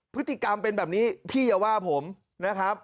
พฤติกรรมเป็นแบบนี้พี่อย่าว่าผมนะครับ